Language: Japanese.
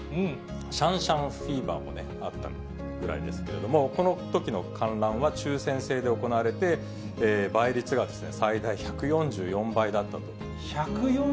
シャンシャンフィーバーもあったぐらいですけれども、このときの観覧は抽せん制で行われて、１４４倍？